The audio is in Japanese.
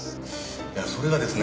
いやそれがですね。